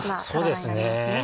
そうですね。